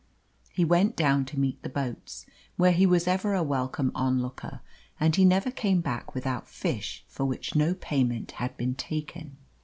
He went down to meet the boats, where he was ever a welcome onlooker, and he never came back without fish for which no payment had been taken.